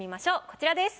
こちらです。